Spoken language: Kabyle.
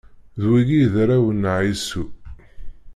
D wigi i d arraw n Ɛisu.